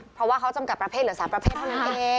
เพราะว่าเขาจำกัดประเภทเหลือ๓ประเภทเท่านั้นเอง